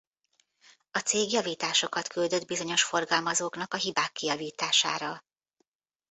A cég javításokat küldött bizonyos forgalmazóknak a hibák kijavítására.